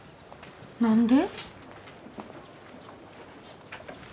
何で？